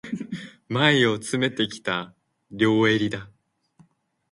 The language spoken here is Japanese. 前を詰めてきた、両襟だ。